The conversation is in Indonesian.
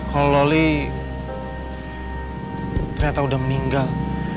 kalau loli ternyata udah meninggal